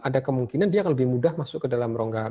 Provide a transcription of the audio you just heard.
ada kemungkinan dia akan lebih mudah masuk ke dalam rongga